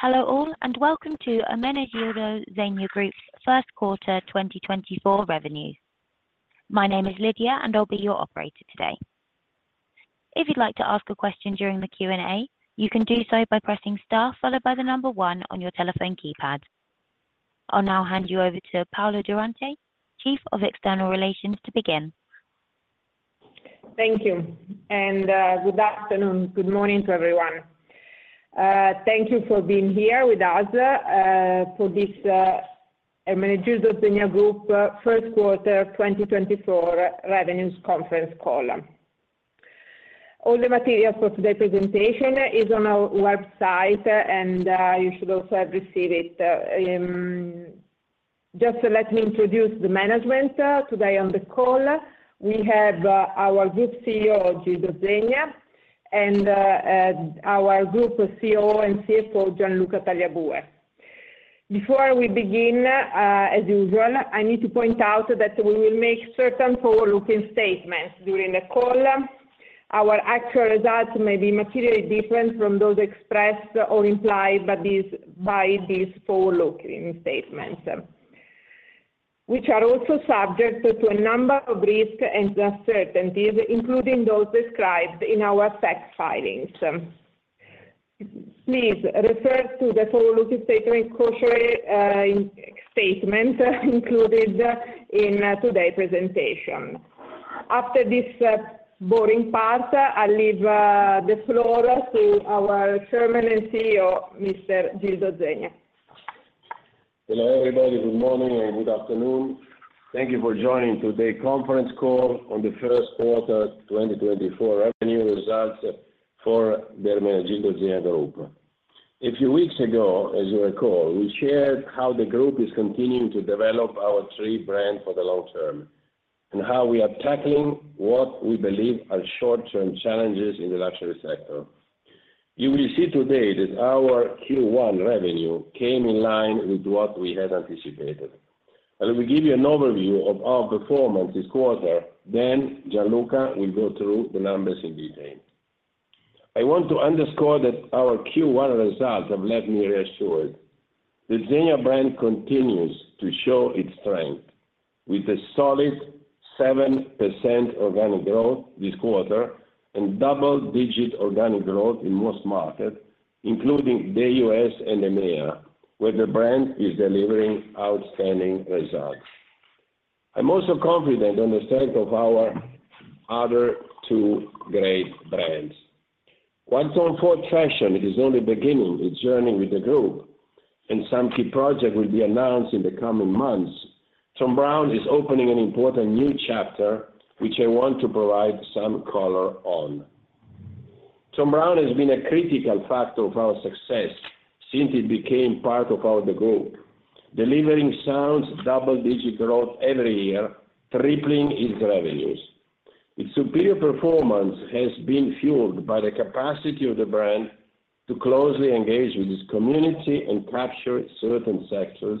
Hello all, and Welcome to Ermenegildo Zegna Group's first quarter 2024 revenues. My name is Lydia, and I'll be your operator today. If you'd like to ask a question during the Q&A, you can do so by pressing star followed by the number one on your telephone keypad. I'll now hand you over to Paola Durante, Chief of External Relations, to begin. Thank you, and, good afternoon, good morning to everyone. Thank you for being here with us, for this, Ermenegildo Zegna Group first quarter 2024 revenues conference call. All the materials for today's presentation is on our website, and, you should also have received it. Just let me introduce the management, today on the call. We have, our Group CEO, Gildo Zegna, and, our Group COO and CFO, Gianluca Tagliabue. Before we begin, as usual, I need to point out that we will make certain forward-looking statements during the call. Our actual results may be materially different from those expressed or implied by these, by these forward-looking statements, which are also subject to a number of risks and uncertainties, including those described in our SEC filings. Please refer to the forward-looking statement, cautionary statement, included in today's presentation. After this boring part, I leave the floor to our Chairman and CEO, Mr. Gildo Zegna. Hello, everybody. Good morning and good afternoon. Thank you for joining today's conference call on the first quarter 2024 revenue results for the Ermenegildo Zegna Group. A few weeks ago, as you recall, we shared how the group is continuing to develop our three brands for the long term and how we are tackling what we believe are short-term challenges in the luxury sector. You will see today that our Q1 revenue came in line with what we had anticipated. I will give you an overview of our performance this quarter, then Gianluca will go through the numbers in detail. I want to underscore that our Q1 results have left me reassured. The Zegna brand continues to show its strength, with a solid 7% organic growth this quarter and double-digit organic growth in most markets, including the U.S. and EMEA, where the brand is delivering outstanding results. I'm also confident in the strength of our other two great Tom Ford Fashion is only beginning its journey with the group, and some key projects will be announced in the coming months, Thom Browne is opening an important new chapter, which I want to provide some color on. Thom Browne has been a critical factor of our success since it became part of our, the group, delivering sound double-digit growth every year, tripling its revenues. Its superior performance has been fueled by the capacity of the brand to closely engage with its community and capture certain sectors,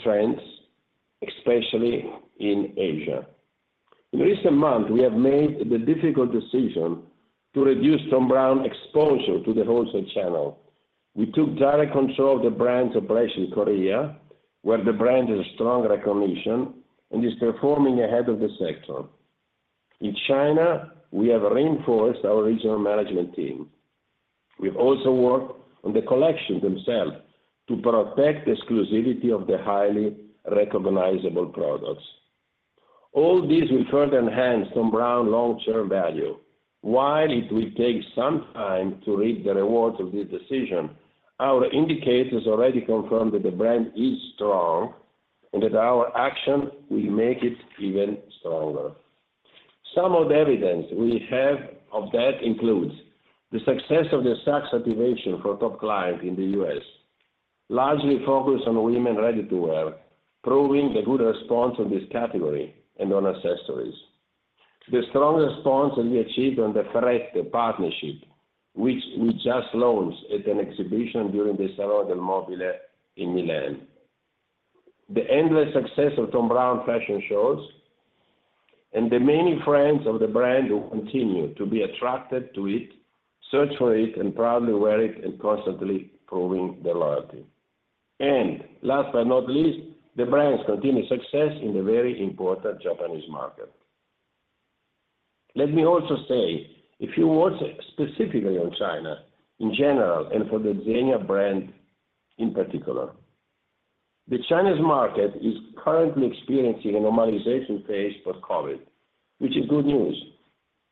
trends, especially in Asia. In recent months, we have made the difficult decision to reduce Thom Browne exposure to the wholesale channel. We took direct control of the brand's operation in Korea, where the brand has strong recognition and is performing ahead of the sector. In China, we have reinforced our regional management team. We've also worked on the collections themselves to protect the exclusivity of the highly recognizable products. All this will further enhance Thom Browne long-term value. While it will take some time to reap the rewards of this decision, our indicators already confirm that the brand is strong and that our action will make it even stronger. Some of the evidence we have of that includes: the success of the Saks activation for top client in the U.S., largely focused on women ready-to-wear, proving the good response on this category and on accessories. The strong response that we achieved on the Frette partnership, which we just launched at an exhibition during the Salone del Mobile in Milan. The endless success of Thom Browne fashion shows, and the many friends of the brand who continue to be attracted to it, search for it, and proudly wear it, and constantly proving their loyalty. Last but not least, the brand's continued success in the very important Japanese market. Let me also say a few words specifically on China in general, and for the Zegna brand in particular. The Chinese market is currently experiencing a normalization phase for COVID, which is good news.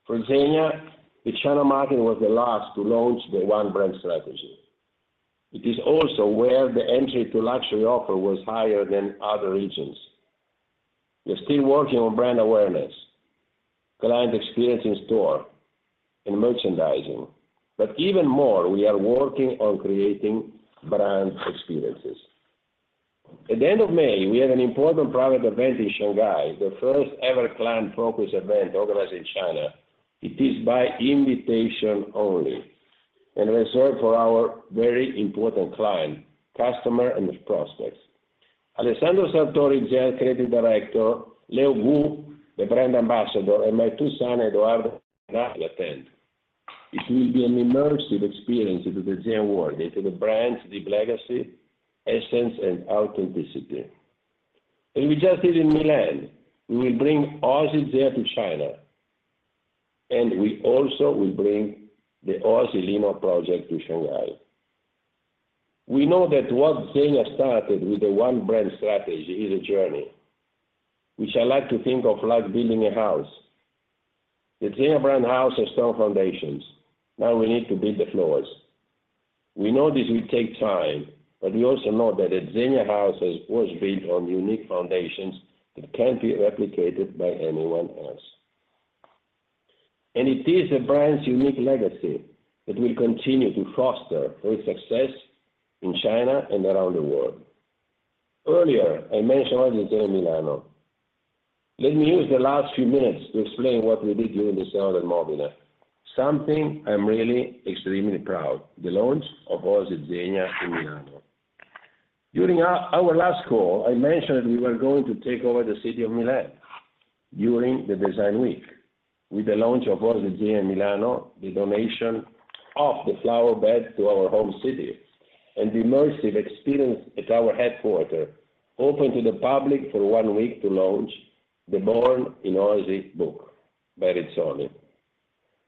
For Zegna, the China market was the last to launch the One Brand Strategy. It is also where the entry to luxury offer was higher than other regions. We're still working on brand awareness, client experience in store, and merchandising, but even more, we are working on creating brand experiences. At the end of May, we had an important private event in Shanghai, the first-ever client-focused event organized in China. It is by invitation only and reserved for our very important client, customer, and prospects. Alessandro Sartori, Zegna Creative Director, Leo Wu, the brand ambassador, and my two sons, Edoardo and Angelo attend. It will be an immersive experience into the Zegna world, into the brand's deep legacy, essence, and authenticity. And we just did in Milan, we will bring Oasi Zegna to China, and we also will bring the Oasi Lino project to Shanghai. We know that what Zegna started with the One Brand Strategy is a journey, which I like to think of like building a house. The Zegna brand house has strong foundations, now we need to build the floors. We know this will take time, but we also know that the Zegna house has always been on unique foundations that can't be replicated by anyone else. It is the brand's unique legacy that will continue to foster our success in China and around the world. Earlier, I mentioned Oasi Zegna Milano. Let me use the last few minutes to explain what we did during the Salone del Mobile, something I'm really extremely proud, the launch of Oasi Zegna in Milano. During our last call, I mentioned we were going to take over the city of Milan during the Design Week, with the launch of Oasi Zegna Milano, the donation of the flower bed to our home city, and the immersive experience at our headquarters, open to the public for one week to launch the Born in Oasi Zegna book by Rizzoli.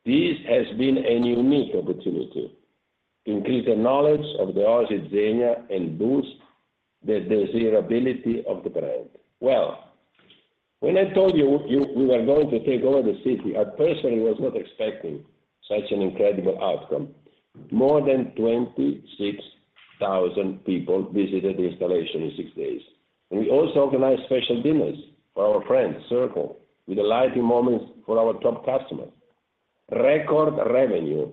This has been a unique opportunity to increase the knowledge of the Oasi Zegna and boost the desirability of the brand. Well, when I told you, you—we were going to take over the city, I personally was not expecting such an incredible outcome. More than 26,000 people visited the installation in six days, and we also organized special dinners for our friends, Circle, with enlightening moments for our top customers. Record revenue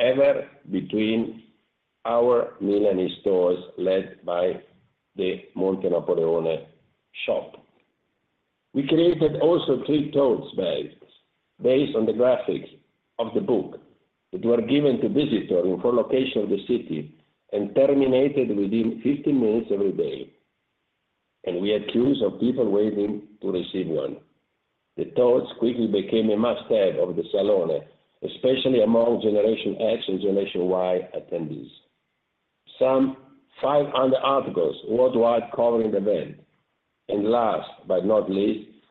ever between our Milanese stores, led by the Montenapoleone shop. We created also three tote bags based on the graphics of the book, that were given to visitors in four locations of the city and terminated within 15 minutes every day, and we had queues of people waiting to receive one. The tote quickly became a must-have of the Salone, especially among Generation X and Generation Y attendees. Some 500 articles worldwide covering the event. Last but not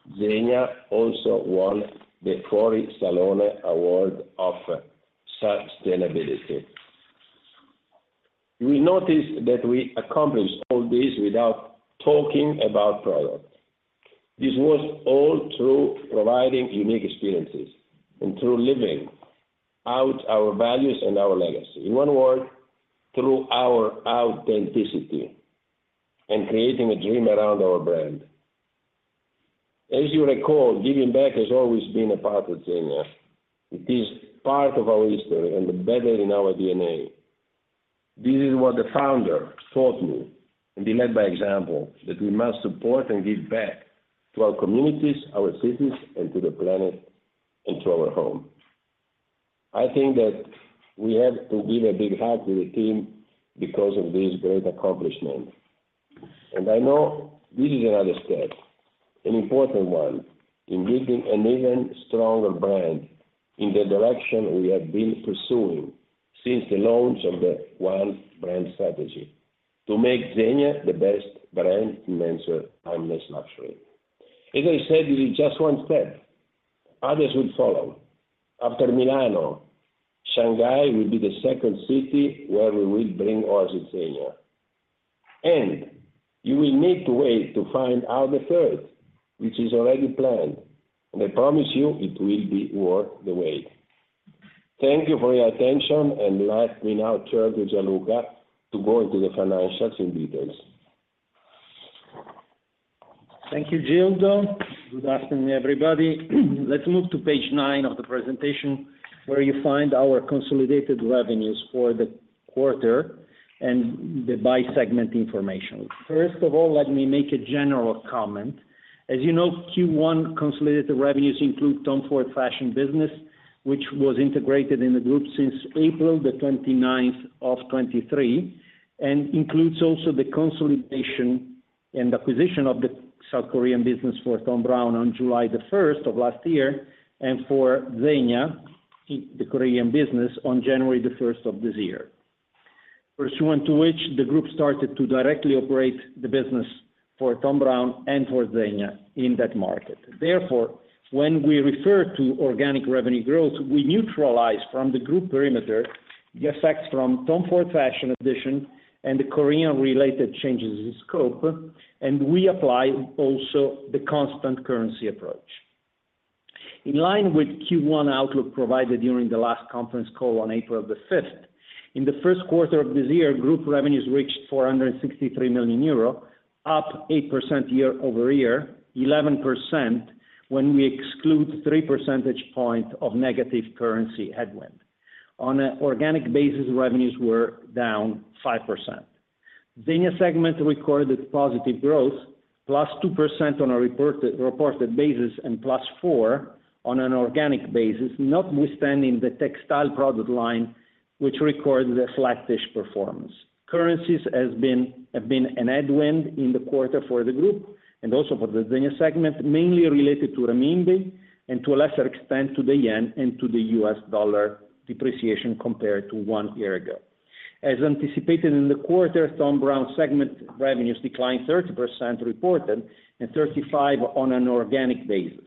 least, Zegna also won the Fuorisalone Award of Sustainability. We noticed that we accomplished all this without talking about product. This was all through providing unique experiences and through living out our values and our legacy. In one word, through our authenticity and creating a dream around our brand. As you recall, giving back has always been a part of Zegna. It is part of our history and embedded in our DNA. This is what the founder taught me, and he led by example, that we must support and give back to our communities, our cities, and to the planet, and to our home. I think that we have to give a big hug to the team because of this great accomplishment, and I know this is another step, an important one, in building an even stronger brand in the direction we have been pursuing since the launch of the One Brand Strategy, to make Zegna the best brand in menswear and luxury. As I said, this is just one step. Others will follow. After Milano, Shanghai will be the second city where we will bring Oasi Zegna, and you will need to wait to find out the third, which is already planned, and I promise you it will be worth the wait. Thank you for your attention, and let me now turn to Gianluca to go into the financials in details. Thank you, Gildo. Good afternoon, everybody. Let's move to page nine of the presentation, where you find our consolidated revenues for the quarter and the by segment information. First of all, let me make a general comment. As you know, Q1 consolidated Tom Ford Fashion business, which was integrated in the group since April 29th, 2023, and includes also the consolidation and acquisition of the South Korean business for Thom Browne on July 1st, 2023, and for Zegna, the Korean business, on January 1st, 2024. Pursuant to which, the group started to directly operate the business for Thom Browne and for Zegna in that market. Therefore, when we refer to organic revenue growth, we neutralize from the group perimeter, the Tom Ford Fashion addition and the Korean-related changes in scope, and we apply also the constant currency approach. In line with Q1 outlook provided during the last conference call on April the fifth, in the first quarter of this year, group revenues reached 463 million euro, up 8% year-over-year, 11% when we exclude three percentage point of negative currency headwind. On an organic basis, revenues were down 5%. Zegna segment recorded positive growth... +2% on a reported, reported basis and +4% on an organic basis, notwithstanding the textile product line, which recorded a sluggish performance. Currencies have been a headwind in the quarter for the group, and also for the Zegna segment, mainly related to renminbi and to a lesser extent, to the yen and to the U.S. dollar depreciation compared to one year ago. As anticipated in the quarter, Thom Browne segment revenues declined 30% reported, and 35% on an organic basis.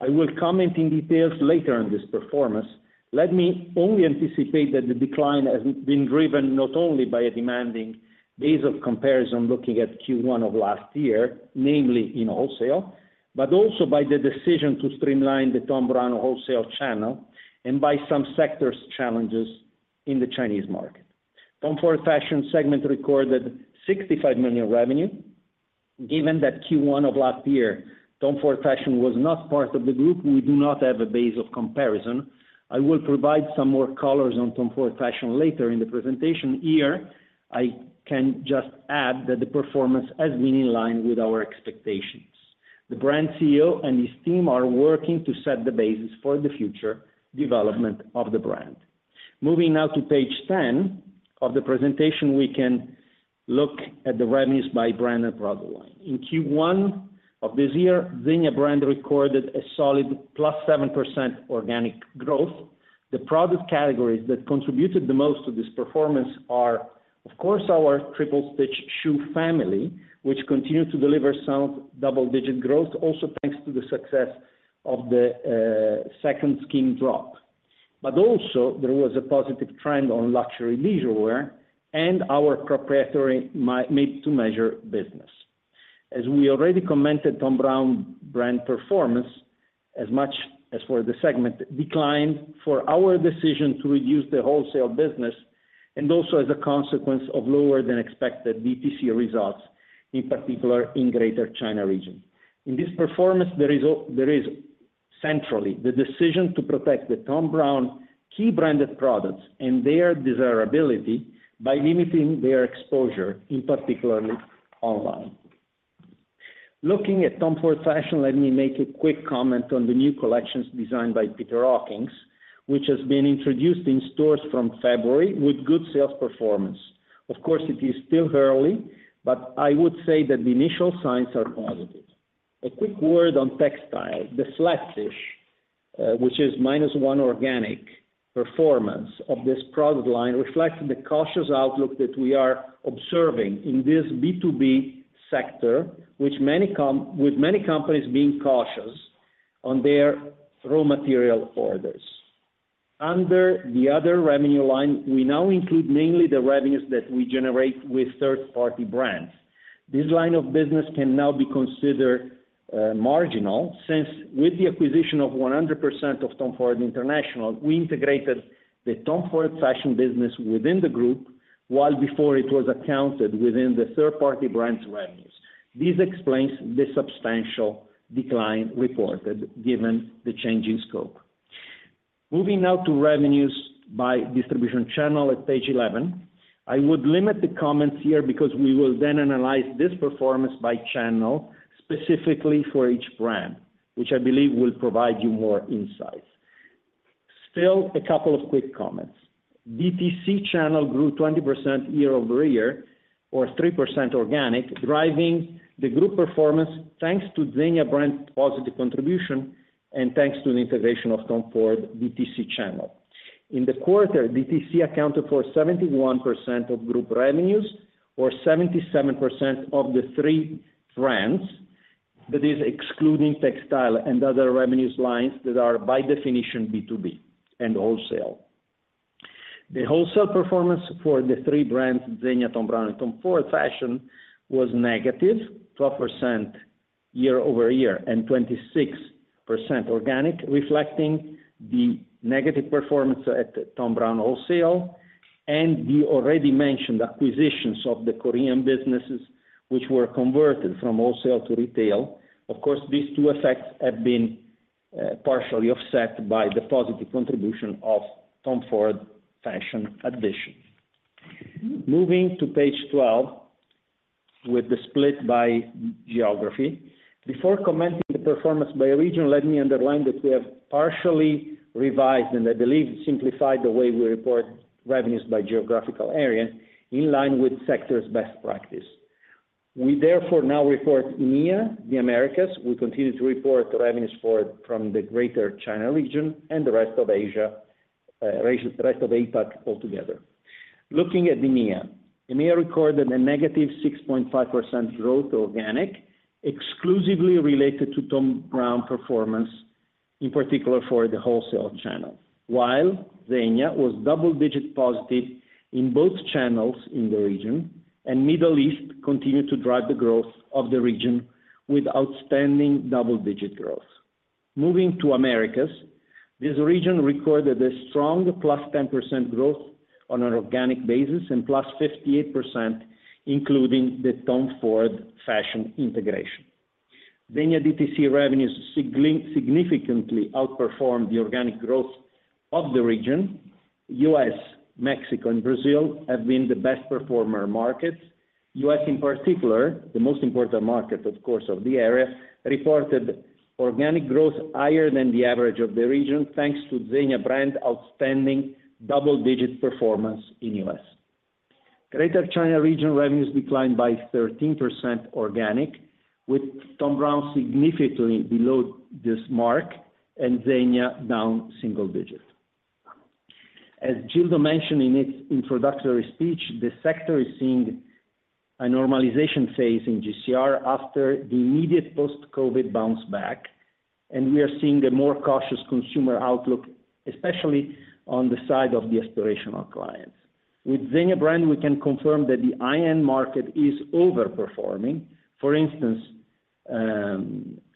I will comment in detail later on this performance. Let me only anticipate that the decline has been driven not only by a demanding base of comparison, looking at Q1 of last year, namely in wholesale, but also by the decision to streamline the Thom Browne wholesale channel and by some sector challenges in the Tom Ford Fashion segment recorded 65 million revenue. Given that Q1 of Tom Ford Fashion was not part of the group, we do not have a base of comparison. I will provide some more Tom Ford Fashion later in the presentation. Here, I can just add that the performance has been in line with our expectations. The brand CEO and his team are working to set the basis for the future development of the brand. Moving now to page 10 of the presentation, we can look at the revenues by brand and product line. In Q1 of this year, Zegna brand recorded a solid +7% organic growth. The product categories that contributed the most to this performance are, of course, our Triple Stitch shoe family, which continued to deliver sound double-digit growth, also thanks to the success of the Second Skin drop. But also, there was a positive trend on luxury leisurewear and our proprietary Made-to-Measure business. As we already commented, Thom Browne brand performance, as much as for the segment, declined for our decision to reduce the wholesale business, and also as a consequence of lower than expected DTC results, in particular, in Greater China Region. In this performance, there is centrally the decision to protect the Thom Browne key branded products and their desirability by limiting their exposure, in particular online. Tom Ford Fashion, let me make a quick comment on the new collections designed by Peter Hawkings, which has been introduced in stores from February with good sales performance. Of course, it is still early, but I would say that the initial signs are positive. A quick word on textile, the sluggish, which is -1% organic performance of this product line, reflects the cautious outlook that we are observing in this B2B sector, with many companies being cautious on their raw material orders. Under the other revenue line, we now include mainly the revenues that we generate with third-party brands. This line of business can now be considered marginal, since with the acquisition of 100% Tom Ford International, we integrated the Tom Ford Fashion business within the group, while before it was accounted within the third-party brands revenues. This explains the substantial decline reported, given the change in scope. Moving now to revenues by distribution channel at page 11. I would limit the comments here because we will then analyze this performance by channel, specifically for each brand, which I believe will provide you more insights. Still, a couple of quick comments. DTC channel grew 20% year-over-year, or 3% organic, driving the group performance, thanks to Zegna brand positive contribution and thanks to the integration Tom Ford DTC channel. In the quarter, DTC accounted for 71% of group revenues or 77% of the three brands, that is excluding textile and other revenues lines that are, by definition, B2B and wholesale. The wholesale performance for the three brands, Zegna, Thom Tom Ford Fashion, was negative 12% year-over-year and 26% organic, reflecting the negative performance at Thom Browne wholesale, and we already mentioned the acquisitions of the Korean businesses, which were converted from wholesale to retail. Of course, these two effects have been partially offset by the positive Tom Ford Fashion addition. moving to page 12, with the split by geography. Before commenting the performance by region, let me underline that we have partially revised, and I believe simplified the way we report revenues by geographical area, in line with sector's best practice. We therefore now report EMEA, the Americas. We continue to report the revenues from the Greater China Region and the rest of Asia, the rest of APAC altogether. Looking at the EMEA. EMEA recorded a negative 6.5% growth organic, exclusively related to Thom Browne performance, in particular for the wholesale channel, while Zegna was double-digit positive in both channels in the region, and Middle East continued to drive the growth of the region with outstanding double-digit growth. Moving to Americas, this region recorded a strong +10% growth on an organic basis and +58%, Tom Ford Fashion integration. zegna DTC revenues significantly outperformed the organic growth of the region. U.S., Mexico, and Brazil have been the best performer markets. U.S. in particular, the most important market, of course, of the area, reported organic growth higher than the average of the region, thanks to Zegna brand outstanding double-digit performance in U.S. Greater China Region revenues declined by 13% organic, with Thom Browne significantly below this mark and Zegna down single digits. As Gildo mentioned in his introductory speech, the sector is seeing a normalization phase in GCR after the immediate post-COVID bounce back, and we are seeing a more cautious consumer outlook, especially on the side of the aspirational clients. With Zegna brand, we can confirm that the high-end market is overperforming. For instance,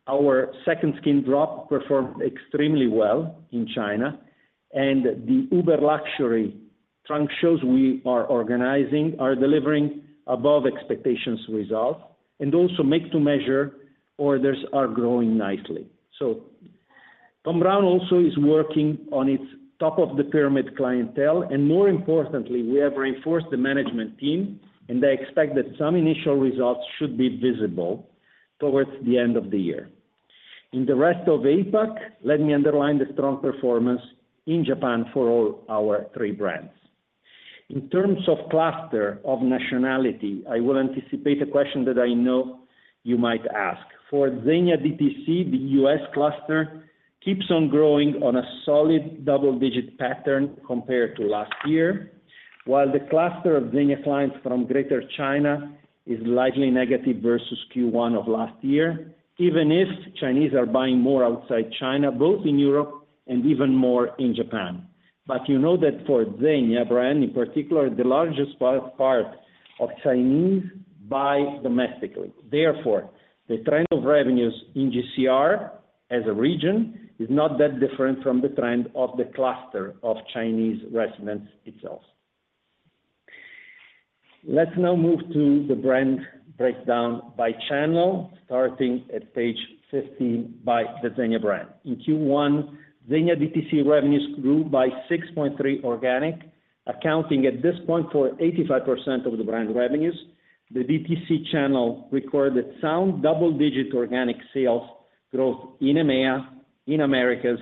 our Second Skin drop performed extremely well in China, and the ultra-luxury trunk shows we are organizing are delivering above expectations results, and also Made-to-Measure orders are growing nicely. So Thom Browne also is working on its top of the pyramid clientele, and more importantly, we have reinforced the management team, and I expect that some initial results should be visible towards the end of the year. In the rest of APAC, let me underline the strong performance in Japan for all our three brands. In terms of cluster of nationality, I will anticipate a question that I know you might ask. For Zegna DTC, the U.S. cluster keeps on growing on a solid double-digit pattern compared to last year, while the cluster of Zegna clients from Greater China is slightly negative versus Q1 of last year, even if Chinese are buying more outside China, both in Europe and even more in Japan. But you know that for Zegna brand, in particular, the largest part, part of Chinese buy domestically. Therefore, the trend of revenues in GCR as a region is not that different from the trend of the cluster of Chinese residents itself. Let's now move to the brand breakdown by channel, starting at page 15 by the Zegna brand. In Q1, Zegna DTC revenues grew by 6.3 organic, accounting at this point for 85% of the brand revenues. The DTC channel recorded sound double-digit organic sales growth in EMEA, in Americas,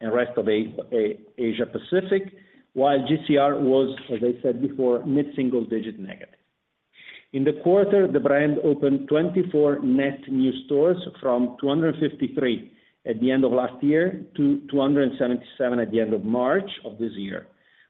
and rest of Asia Pacific, while GCR was, as I said before, mid-single digit negative. In the quarter, the brand opened 24 net new stores, from 253 at the end of last year to 277 at the end of March of this year.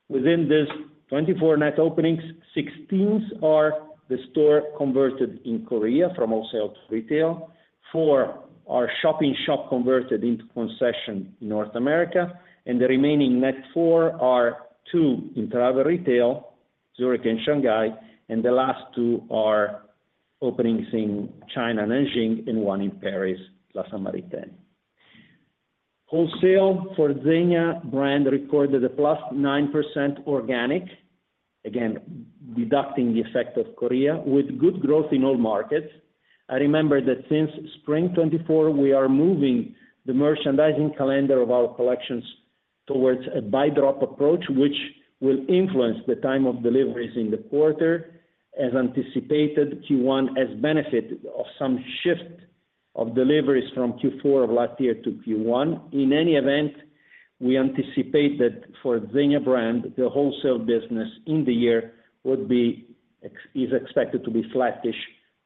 Within these 24 net openings, 16 are the stores converted in Korea from wholesale to retail, four are shop-in-shop converted into concession in North America, and the remaining net four are two in travel retail, Zurich and Shanghai, and the last two are openings in China, Nanjing, and one in Paris, La Samaritaine. Wholesale for Zegna brand recorded a +9% organic, again, deducting the effect of Korea, with good growth in all markets. I remember that since spring 2024, we are moving the merchandising calendar of our collections towards a buy drop approach, which will influence the time of deliveries in the quarter. As anticipated, Q1 has benefited of some shift of deliveries from Q4 of last year to Q1. In any event, we anticipate that for Zegna brand, the wholesale business in the year is expected to be flattish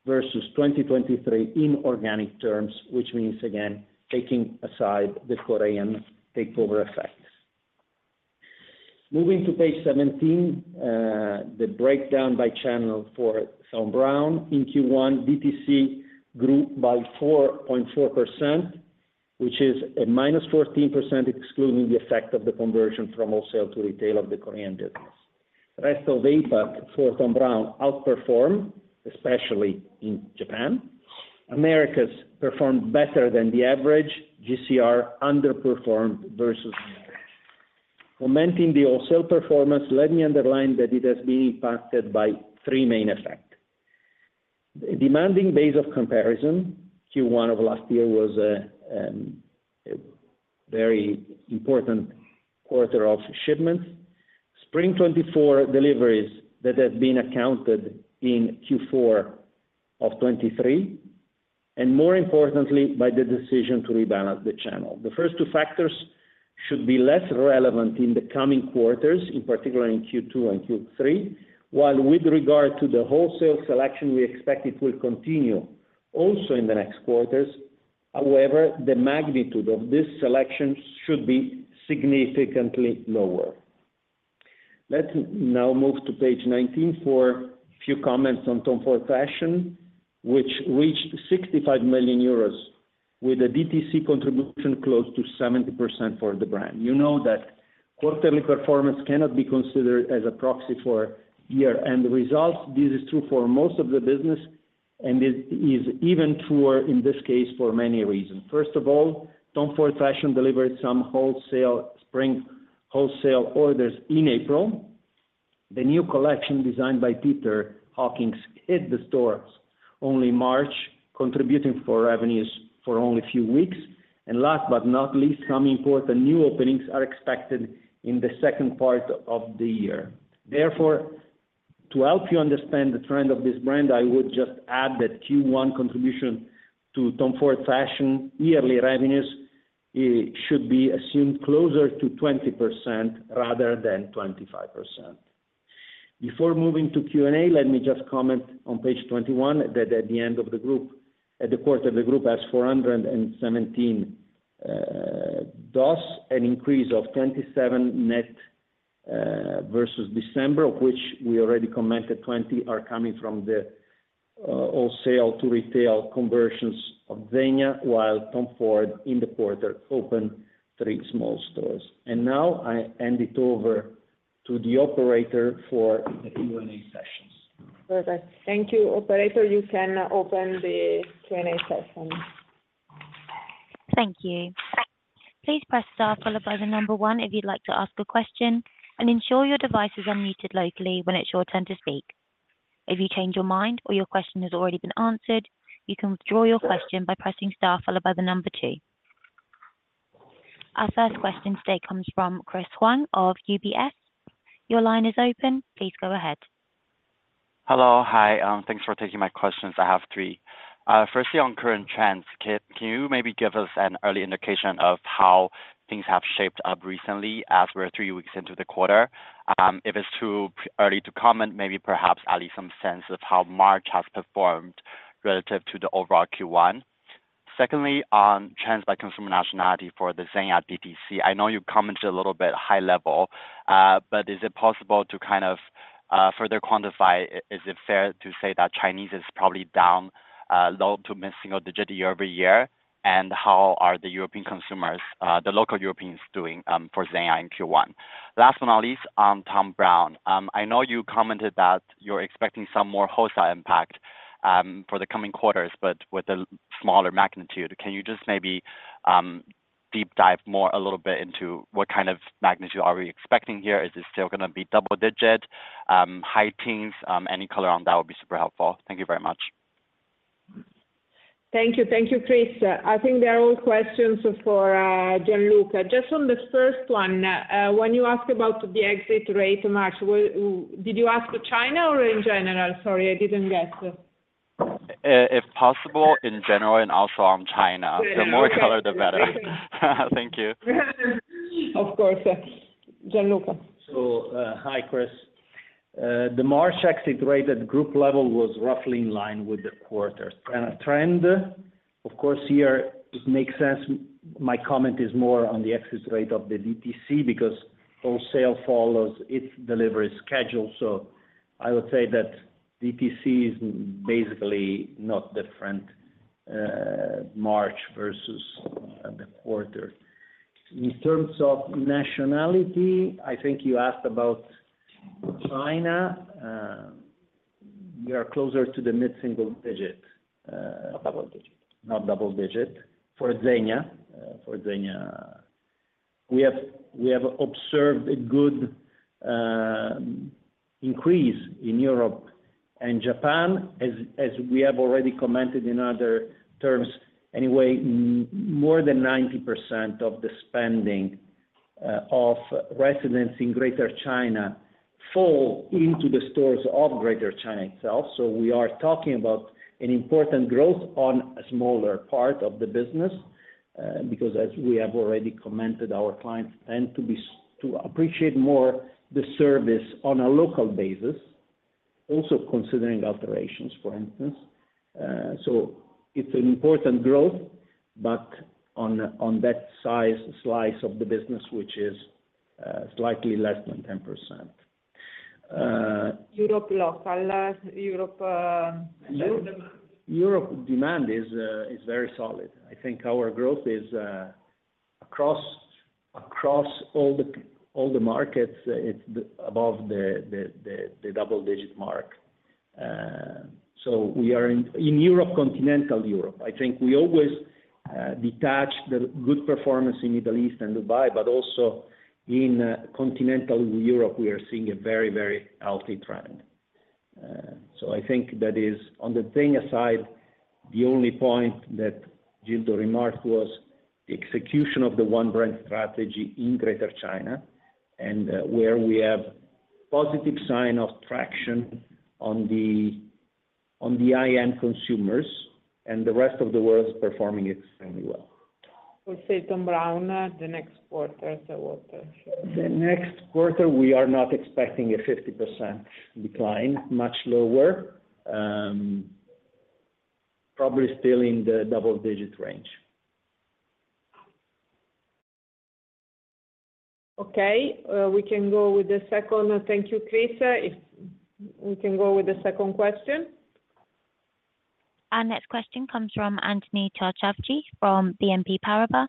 versus 2023 in organic terms, which means, again, taking aside the Korean takeover effects. Moving to page 17, the breakdown by channel for Thom Browne. In Q1, DTC grew by 4.4%, which is a -14%, excluding the effect of the conversion from wholesale to retail of the Korean business. Rest of APAC for Thom Browne outperformed, especially in Japan. Americas performed better than the average. GCR underperformed versus last year. Commenting the wholesale performance, let me underline that it has been impacted by three main effects: demanding base of comparison, Q1 of last year was a very important quarter of shipments, spring 2024 deliveries that have been accounted in Q4 of 2023, and more importantly, by the decision to rebalance the channel. The first two factors should be less relevant in the coming quarters, in particular in Q2 and Q3, while with regard to the wholesale selection, we expect it will continue also in the next quarters. However, the magnitude of this selection should be significantly lower. Let's now move to page 19 for a few Tom Ford Fashion, which reached 65 million euros, with a DTC contribution close to 70% for the brand. You know that quarterly performance cannot be considered as a proxy for year, and the results. This is true for most of the business, and it is even truer in this case for many reasons. First Tom Ford Fashion delivered some wholesale, spring wholesale orders in April. The new collection designed by Peter Hawkings hit the stores only March, contributing for revenues for only a few weeks. And last but not least, coming forth, the new openings are expected in the second part of the year. Therefore, to help you understand the trend of this brand, I would just add that Q1 contribution to Tom Ford Fashion's yearly revenues, it should be assumed closer to 20% rather than 25%. Before moving to Q&A, let me just comment on page 21, that at the end of the quarter, the group has 417 DOS, an increase of 27 net versus December, of which we already commented 20 are coming from the wholesale to retail conversions of Zegna, Tom Ford in the quarter opened three small stores. And now I hand it over to the operator for the Q&A sessions. Perfect. Thank you. Operator, you can open the Q&A session. Thank you. Please press star one if you'd like to ask a question, and ensure your device is unmuted locally when it's your turn to speak. If you change your mind or your question has already been answered, you can withdraw your question by pressing star two. Our first question today comes from Chris Huang of UBS. Your line is open. Please go ahead. Hello. Hi, thanks for taking my questions. I have three. Firstly, on current trends, can you maybe give us an early indication of how things have shaped up recently as we're three weeks into the quarter? If it's too early to comment, maybe perhaps at least some sense of how March has performed relative to the overall Q1. Secondly, on trends by consumer nationality for the Zegna DTC, I know you commented a little bit high-level, but is it possible to kind of further quantify? Is it fair to say that Chinese is probably down low- to mid-single-digit year-over-year? And how are the European consumers, the local Europeans doing, for Zegna in Q1? Last but not least, on Thom Browne, I know you commented that you're expecting some more wholesale impact, for the coming quarters, but with a smaller magnitude. Can you just maybe, deep dive more a little bit into what kind of magnitude are we expecting here? Is this still gonna be double-digit, high teens? Any color on that would be super helpful. Thank you very much. Thank you. Thank you, Chris. I think they're all questions for Gianluca. Just on the first one, when you ask about the exit rate in March, did you ask for China or in general? Sorry, I didn't get it. If possible, in general, and also on China. Yeah. Okay. The more color, the better. Thank you. Of course. Gianluca. So, hi, Chris. The March exit rate at group level was roughly in line with the quarter trend. Of course, here, it makes sense. My comment is more on the exit rate of the DTC, because wholesale follows its delivery schedule. So I would say that DTC is basically not different, March versus the quarter. In terms of nationality, I think you asked about China. We are closer to the mid-single digit. Not double-digit. Not double-digit. For Zegna? For Zegna, we have, we have observed a good increase in Europe and Japan. As, as we have already commented in other terms, anyway, more than 90% of the spending of residents in Greater China fall into the stores of Greater China itself. So we are talking about an important growth on a smaller part of the business, because as we have already commented, our clients tend to appreciate more the service on a local basis, also considering alterations, for instance. So it's an important growth, but on that size slice of the business, which is slightly less than 10%. Europe loss, Europe, demand. Europe demand is very solid. I think our growth is across all the markets, it's above the double-digit mark. So we are in Europe, continental Europe, I think we always detach the good performance in Middle East and Dubai, but also in continental Europe, we are seeing a very healthy trend. So I think that is on the Zegna side, the only point that Gildo's remark was the execution of the One Brand Strategy in Greater China, and where we have positive sign of traction on the high-end consumers, and the rest of the world is performing extremely well. We'll say Thom Browne, the next quarter, so what? The next quarter, we are not expecting a 50% decline, much lower, probably still in the double-digit range. Okay. We can go with the second... Thank you, Chris. If we can go with the second question. Our next question comes from Anthony Charchafji from BNP Paribas.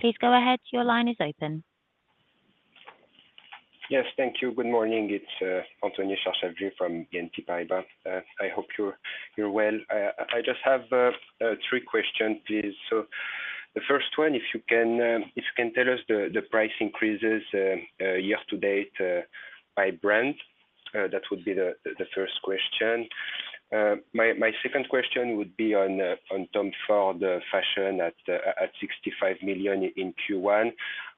Please go ahead. Your line is open. Yes, thank you. Good morning. It's Anthony Charchafji from BNP Paribas. I hope you're well. I just have three questions, please. The first one, if you can tell us the price increases year to date by brand. That would be the first question. My second question would Tom Ford Fashion at 65 million in Q1.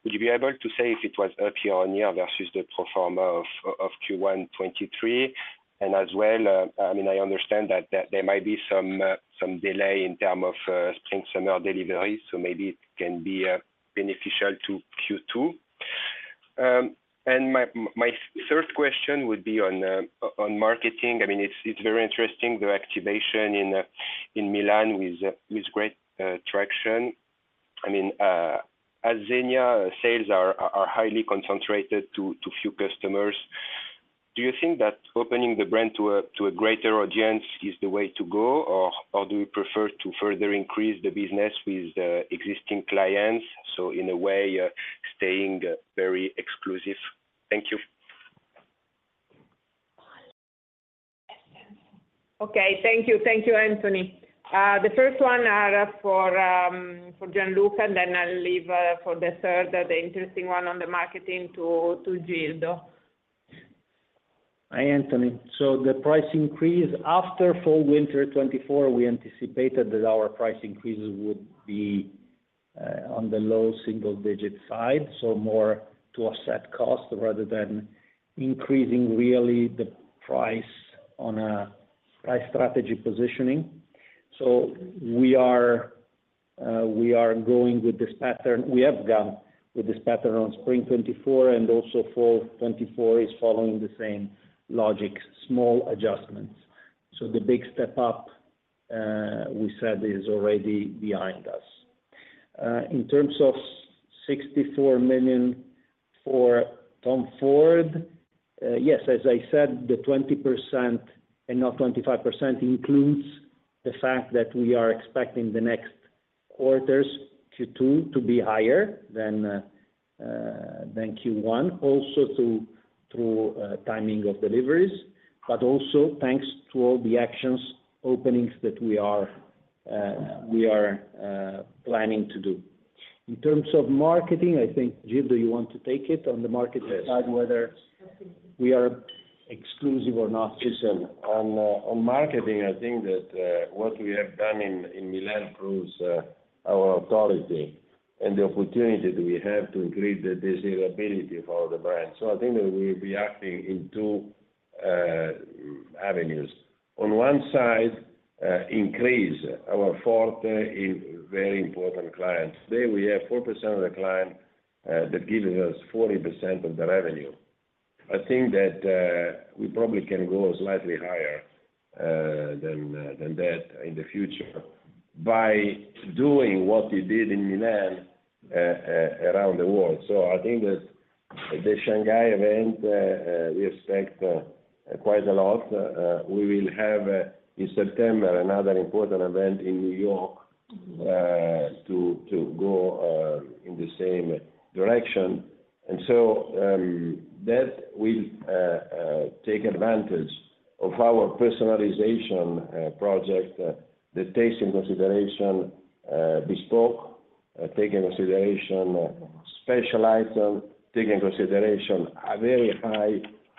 Would you be able to say if it was up year-on-year versus the pro forma of Q1 2023? And as well, I mean, I understand that there might be some delay in terms of spring/summer delivery, so maybe it can be beneficial to Q2. And my third question would be on marketing. I mean, it's very interesting, the activation in Milan with great traction. I mean, as Zegna, sales are highly concentrated to few customers, do you think that opening the brand to a greater audience is the way to go, or do you prefer to further increase the business with existing clients, so in a way, staying very exclusive? Thank you. Okay, thank you. Thank you, Anthony. The first one are for, for Gianluca, and then I'll leave, for the third, the interesting one on the marketing to, to Gildo. Hi, Anthony. So the price increase, after fall/winter 2024, we anticipated that our price increases would be on the low single digit side, so more to offset cost, rather than increasing really the price on a price strategy positioning. So we are going with this pattern. We have gone with this pattern on spring 2024, and also fall 2024 is following the same logic, small adjustments. So the big step up, we said, is already behind us. In terms of 64 million Tom Ford, yes, as I said, the 20% and not 25%, includes the fact that we are expecting the next quarters, Q2, to be higher than than Q1. Also through timing of deliveries, but also thanks to all the actions, openings that we are planning to do. In terms of marketing, I think, Gildo, you want to take it on the marketing side, whether we are exclusive or not? Yes. On marketing, I think that what we have done in Milan proves our authority and the opportunity that we have to increase the desirability of all the brands. So I think that we'll be acting in two avenues. On one side, increase our forte in very important clients. Today, we have 4% of the client that gives us 40% of the revenue. I think that we probably can go slightly higher than that in the future by doing what we did in Milan around the world. So I think that the Shanghai event we expect quite a lot. We will have in September another important event in New York to go in the same direction. That will take advantage of our personalization project that takes into consideration bespoke, special items, and very high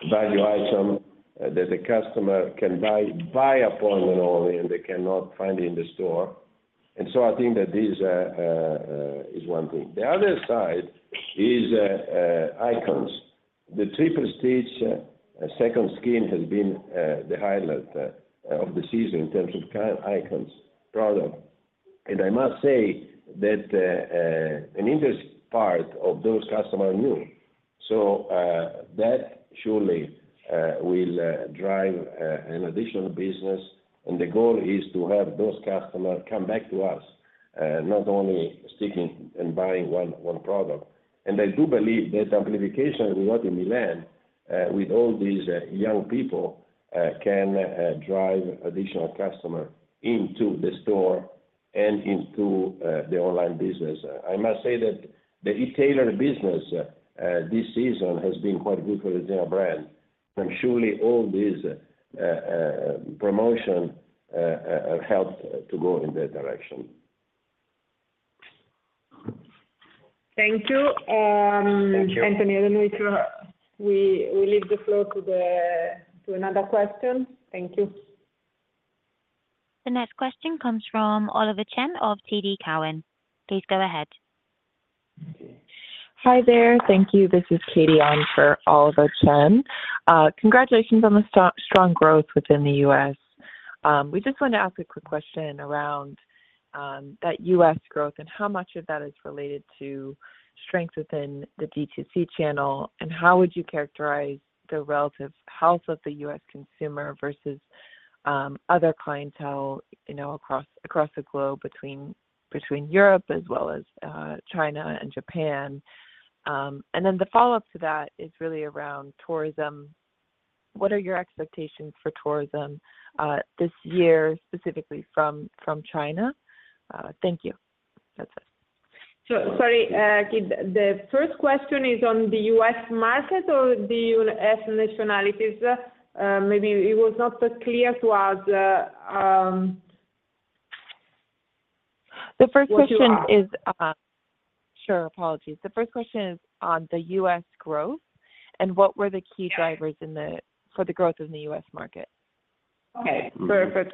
value items that the customer can buy by appointment only, and they cannot find in the store. So I think that this is one thing. The other side is icons. The Triple Stitch Second Skin has been the highlight of the season in terms of iconic products. And I must say that an interesting part of those customers are new. So that surely will drive an additional business, and the goal is to have those customers come back to us, not only seeking and buying one product. I do believe that amplification we got in Milan with all these young people can drive additional customer into the store and into the online business. I must say that the e-tailer business this season has been quite good for the Zegna brand, and surely all these promotion helped to go in that direction. Thank you. Thank you. Anthony, I don't know if we leave the floor to another question. Thank you. The next question comes from Oliver Chen of TD Cowen. Please go ahead. Hi, there. Thank you. This is Katy on, for Oliver Chen. Congratulations on the strong growth within the U.S. We just want to ask a quick question around that U.S. growth and how much of that is related to strength within the D2C channel, and how would you characterize the relative health of the U.S. consumer versus other clientele, you know, across the globe, between Europe as well as China and Japan? And then the follow-up to that is really around tourism. What are your expectations for tourism this year, specifically from China? Thank you. That's it. ... So sorry, Katy, the first question is on the U.S. market or the U.S. nationalities? Maybe it was not that clear to us, what you ask? The first question is, Sure, apologies. The first question is on the U.S. growth, and what were the key drivers for the growth in the U.S. market? Okay, perfect.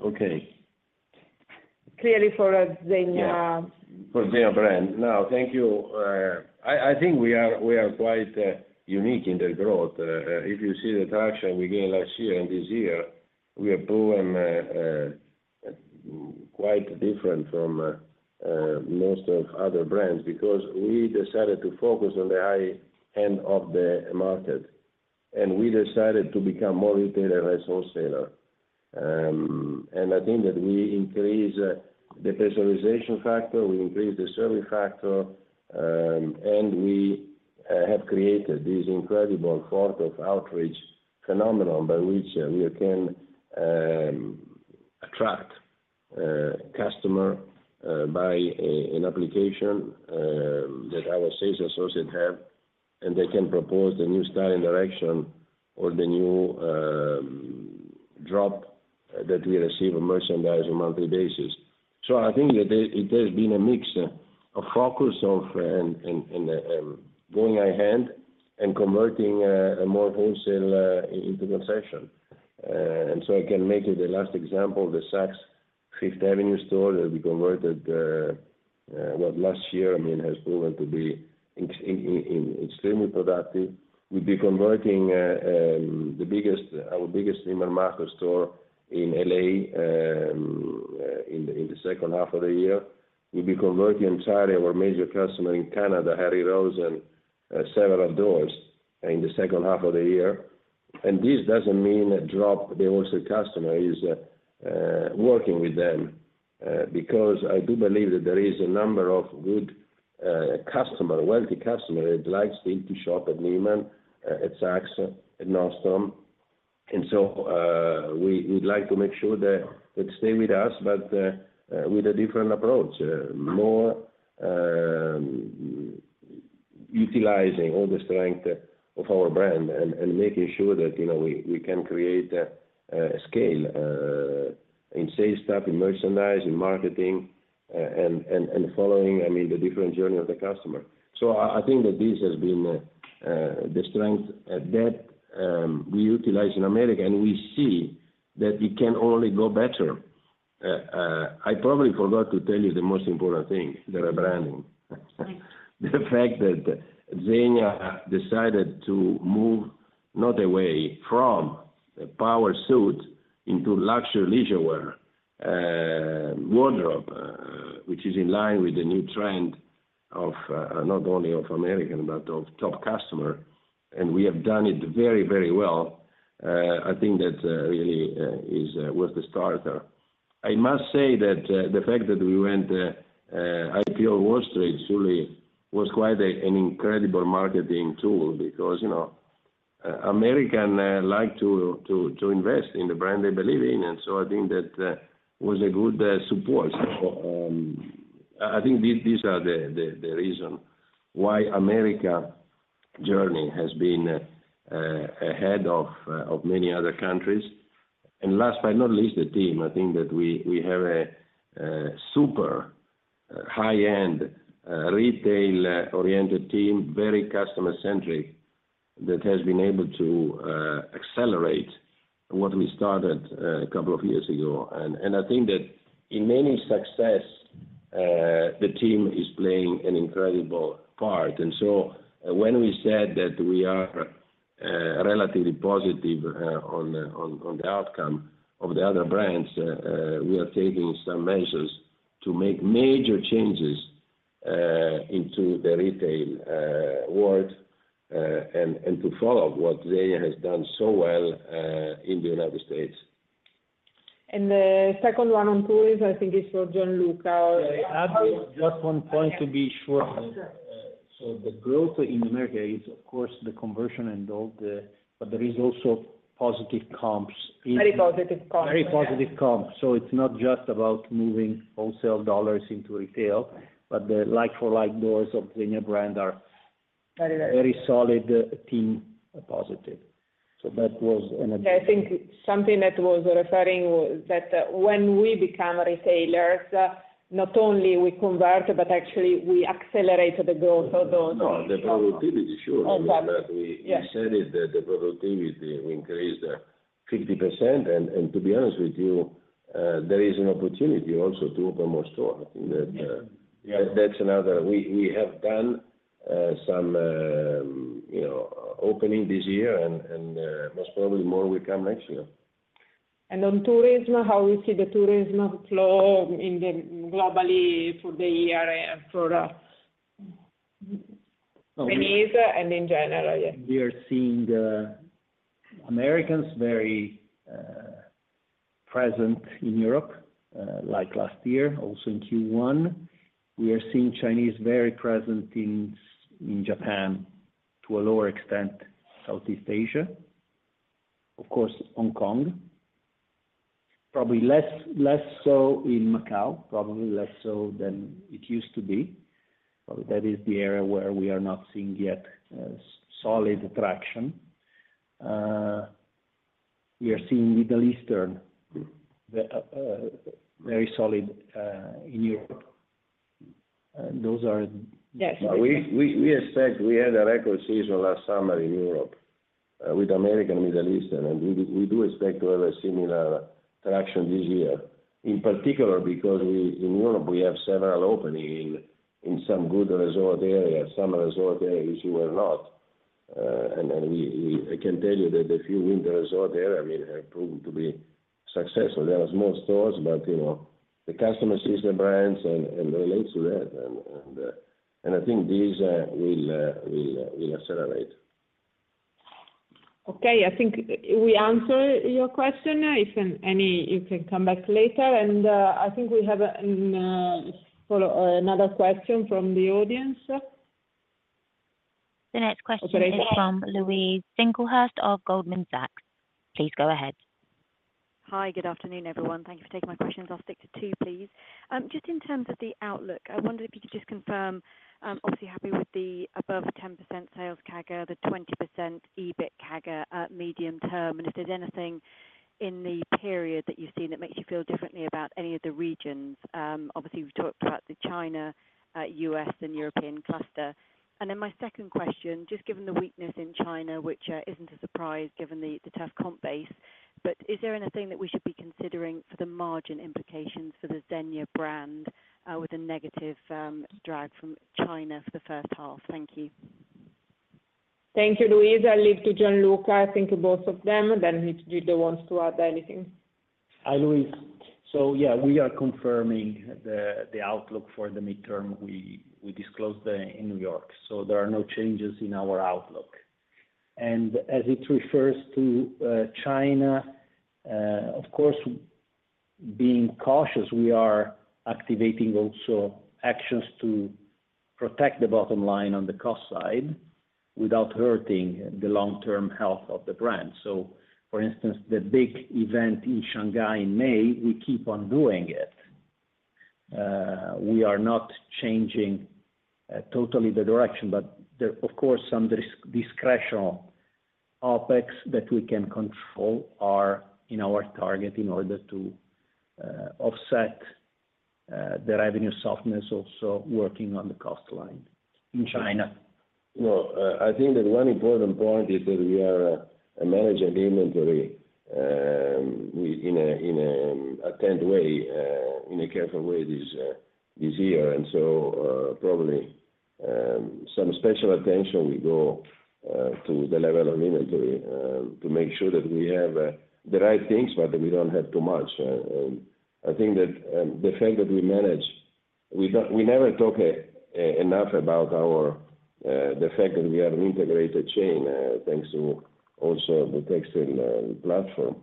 Mm-hmm. Okay. Clearly for a Zegna- Yeah, for Zegna brand. Now, thank you. I think we are quite unique in the growth. If you see the traction we gained last year and this year, we are growing quite different from most of other brands, because we decided to focus on the high end of the market, and we decided to become more retailer and less wholesaler. And I think that we increased the personalization factor, we increased the service factor, and we have created this incredible form of outreach phenomenon by which we can attract customer by an application that our sales associate have, and they can propose the new style and direction or the new drop that we receive in merchandise on monthly basis. So I think that there, it has been a mix of focus of, and, and, and, going ahead and converting a more wholesale into concession. And so I can make you the last example, the Saks Fifth Avenue store that we converted, well, last year, I mean, has proven to be extremely productive. We'll be converting the biggest, our biggest Neiman Marcus store in L.A. in the second half of the year. We'll be converting entirely our major customer in Canada, Harry Rosen, several doors in the second half of the year. And this doesn't mean a drop, the wholesale customer is working with them, because I do believe that there is a number of good customer, wealthy customer that likes then to shop at Neiman, at Saks, at Nordstrom. And so, we'd like to make sure that they stay with us, but with a different approach, more utilizing all the strength of our brand and making sure that, you know, we can create a scale in sales staff, in merchandise, in marketing, and following, I mean, the different journey of the customer. So I think that this has been the strength that we utilize in America, and we see that it can only go better. I probably forgot to tell you the most important thing, the rebranding. Thanks. The fact that Zegna decided to move not away from the power suit into luxury leisurewear, wardrobe, which is in line with the new trend of, not only of American, but of top customer, and we have done it very, very well. I think that, really, is worth the starter. I must say that, the fact that we went, IPO Wall Street, truly was quite a, an incredible marketing tool because, you know, American, like to invest in the brand they believe in, and so I think that, was a good, support. So, I think these are the reason why America journey has been, ahead of many other countries. And last but not least, the team. I think that we have a super high-end retail-oriented team, very customer-centric, that has been able to accelerate what we started a couple of years ago. And I think that in many success the team is playing an incredible part. And so when we said that we are relatively positive on the outcome of the other brands we are taking some measures to make major changes into the retail world and to follow what Zegna has done so well in the United States. The second one on tourism, I think, is for Gianluca. I add just one point to be sure. So the growth in America is of course, the conversion and all the... But there is also positive comps in- Very positive comps. Very positive comps. So it's not just about moving wholesale dollars into retail, but the like for like doors of Zegna brand are- Very, very- Very solid, team positive. So that was an- I think something that was referring, that, when we become retailers, not only we convert, but actually we accelerate the growth of those. No, the productivity, sure. Of course. We, we said it, that the productivity increased 50%, and, and to be honest with you, there is an opportunity also to open more store. I think that, Yes. That's another... We have done some, you know, opening this year and most probably more will come next year. On tourism, how we see the tourism flow in globally for the year and for Venice and in general? Yeah. We are seeing the Americans very present in Europe, like last year, also in Q1. We are seeing Chinese very present in Japan, to a lower extent, Southeast Asia, of course, Hong Kong. Probably less so in Macau, probably less so than it used to be. But that is the area where we are not seeing yet solid attraction. We are seeing Middle Eastern very solid in Europe. Those are- Yes. We expect we had a record season last summer in Europe with American and Middle Eastern, and we do expect to have a similar attraction this year. In particular, because in Europe we have several opening in some good resort areas, some resort areas where not. I can tell you that the few winter resort area, I mean, have proven to be successful. There are small stores, but you know, the customer sees the brands and I think these will accelerate. Okay. I think we answer your question. If any, you can come back later, and I think we have another question from the audience. The next question is from Louise Singlehurst of Goldman Sachs. Please go ahead. Hi, good afternoon, everyone. Thank you for taking my questions. I'll stick to two, please. Just in terms of the outlook, I wondered if you could just confirm, obviously, happy with the above 10% sales CAGR, the 20% EBIT CAGR, medium term, and if there's anything in the period that you've seen that makes you feel differently about any of the regions. Obviously, we've talked about the China, U.S. and European cluster. And then my second question, just given the weakness in China, which, isn't a surprise given the tough comp base, but is there anything that we should be considering for the margin implications for the Zegna brand, with a negative, drag from China for the first half? Thank you. Thank you, Louise. I'll leave to Gianluca. I think to both of them, then if Gildo wants to add anything. Hi, Louise. So, yeah, we are confirming the outlook for the midterm we disclosed in New York, so there are no changes in our outlook. And as it refers to China, of course, being cautious, we are activating also actions to protect the bottom line on the cost side without hurting the long-term health of the brand. So for instance, the big event in Shanghai in May, we keep on doing it. We are not changing totally the direction, but there, of course, some discretionary OpEx that we can control are in our target in order to offset the revenue softness, also working on the cost line in China. Well, I think that one important point is that we are managing the inventory in an attentive way, in a careful way this year. So, probably, some special attention will go to the level of inventory to make sure that we have the right things, but that we don't have too much. I think that we never talk enough about the fact that we are an integrated chain, thanks also to the textile platform.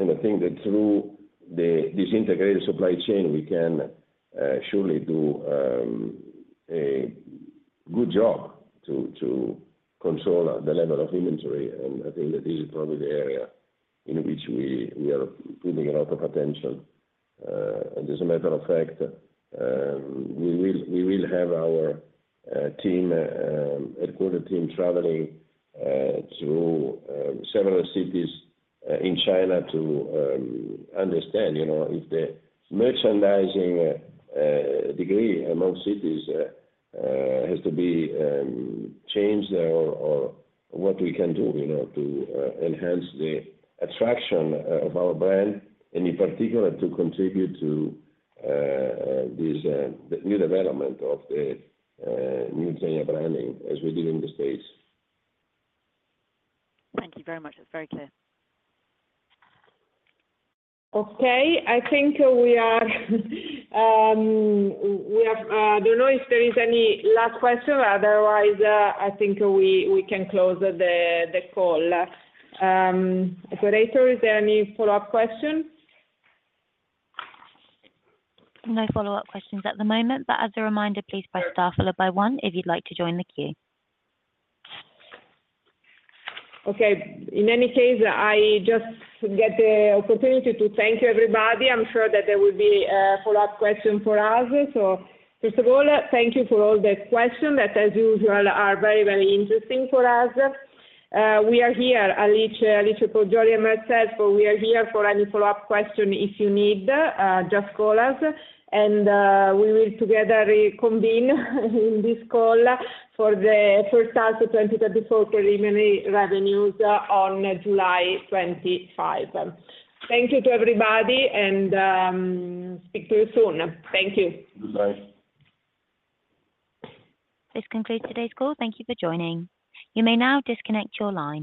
I think that through the integrated supply chain, we can surely do a good job to control the level of inventory. I think that this is probably the area in which we are putting a lot of attention. As a matter of fact, we will have our team, a quarter team traveling through several cities in China to understand, you know, if the merchandising degree among cities has to be changed, or what we can do, you know, to enhance the attraction of our brand, and in particular, to contribute to this, the new development of the new Zegna branding, as we did in the States. Thank you very much. That's very clear. Okay, I think we are. I don't know if there is any last question. Otherwise, I think we can close the call. Operator, is there any follow-up questions? No follow-up questions at the moment, but as a reminder, please press star followed by one if you'd like to join the queue. Okay, in any case, I just get the opportunity to thank you, everybody. I'm sure that there will be a follow-up question for us. So first of all, thank you for all the questions that, as usual, are very, very interesting for us. We are here, Alice, Alice Poggioli and myself, we are here for any follow-up question. If you need, just call us, and, we will together reconvene in this call for the first half of 2024 preliminary revenues on July 25. Thank you to everybody, and, speak to you soon. Thank you. Goodbye. This concludes today's call. Thank you for joining. You may now disconnect your line.